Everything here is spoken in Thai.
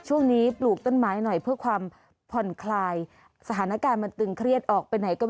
ปลูกต้นไม้หน่อยเพื่อความผ่อนคลายสถานการณ์มันตึงเครียดออกไปไหนก็